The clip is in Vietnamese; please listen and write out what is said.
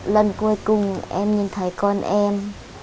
lần cuối cùng em nhìn thấy con em